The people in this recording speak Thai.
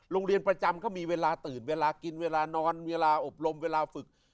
โรงเรียนประจำเขามีเวลาตื่นเวลากินเวลานอนเวลาอบรมเวลาฝึก